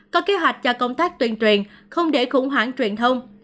có kế hoạch cho công tác tuyên truyền không để khủng hoảng truyền thông